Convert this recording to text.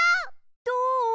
どう？